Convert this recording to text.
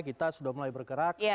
kita sudah mulai bergerak